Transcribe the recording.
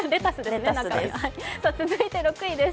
続いて６位です。